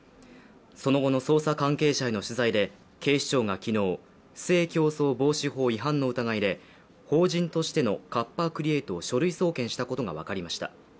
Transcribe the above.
その後の捜査関係者への取材で警視庁が昨日不正競争防止法違反の疑いで法人としてのカッパ・クリエイトを書類送検したことが分かりました。